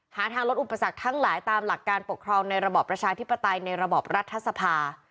หาทางลดอุปสรรคทั้งหลายตามหลักการปกครองในระบอบประชาธิปไตยในระบอบรัฐสภา